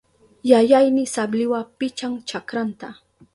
Yayayni sabliwa pichan chakranta.